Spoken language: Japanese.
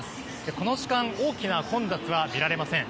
この時間大きな混雑は見られません。